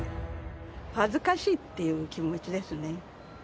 恥ずかしいっていう気持ちですね。